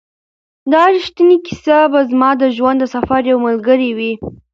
دا ریښتینې کیسه به زما د ژوند د سفر یو ملګری وي.